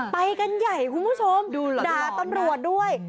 ไปกันใหญ่คุณผู้ชมด่าตำรวจด้วย